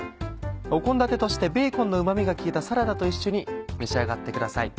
お献立としてベーコンのうま味が効いたサラダと一緒に召し上がってください。